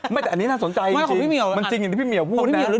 ไม่แต่อันนี้น่าสนใจจริงมันจริงอย่างที่พี่เหมียวพูดนะ